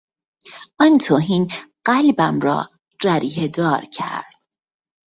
آن توهین قلبم را جریحهدار کرد.